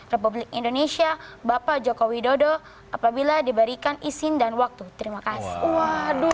republik indonesia bapak joko widodo apabila diberikan izin dan waktu terima kasih waduh